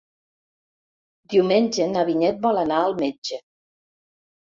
Diumenge na Vinyet vol anar al metge.